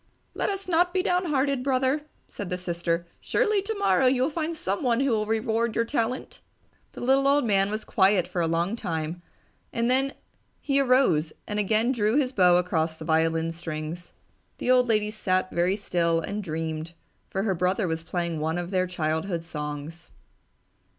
"Let us not be downhearted, Brother!" said the sister. "Surely tomorrow you will find someone who will reward your talent!" The little old man was quiet for a long time and then he arose and again drew his bow across the violin strings. The old lady sat very still and dreamed, for her brother was playing one of their childhood songs.